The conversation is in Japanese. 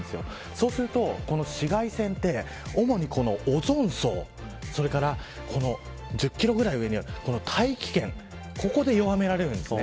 そうすると紫外線は、オゾン層それから１０キロぐらい上にある大気圏ここで弱められるんです。